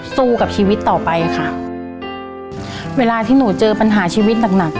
สู้กับชีวิตต่อไปค่ะเวลาที่หนูเจอปัญหาชีวิตหนักหนัก